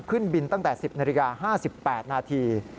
ขึ้นบินตั้งแต่๑๐นาฬิกา๕๘นาที